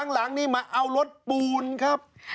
หลังนี่มาเอารถปูนครับ